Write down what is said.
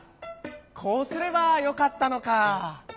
こうすればよかったのか。